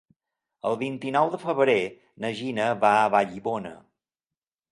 El vint-i-nou de febrer na Gina va a Vallibona.